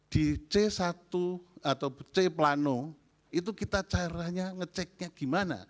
di c satu atau c plano itu kita caranya ngeceknya gimana